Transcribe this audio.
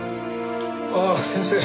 ああ先生